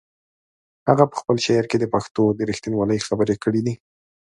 هغه په خپل شعر کې د پښتنو د رښتینولۍ خبرې کړې دي.